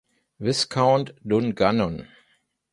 Viscount Dungannon.